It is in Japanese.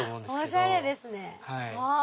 おしゃれですね！